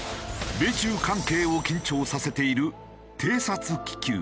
米中関係を緊張させている偵察気球。